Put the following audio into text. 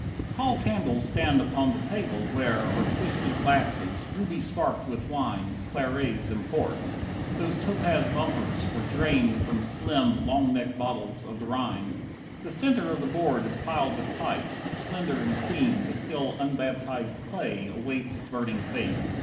3 Tall candles stand upon the table, where Are twisted glasses, ruby sparked with wine, Clarets and ports. Those topaz bumpers were Drained from slim, long necked bottles of the Rhine. The centre of the board is piled with pipes, Slender and clean, the still unbaptized clay Awaits its burning fate.